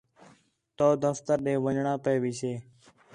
تَو دفتر ݙے ون٘ڄݨاں پئے ویسے